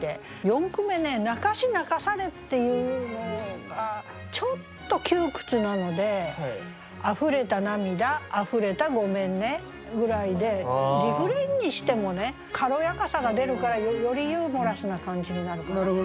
四句目ね「泣かし泣かされ」っていうのがちょっと窮屈なので「溢れた涙溢れた『ごめんね』」ぐらいでリフレインにしても軽やかさが出るからよりユーモラスな感じになるかなと思ったんですね。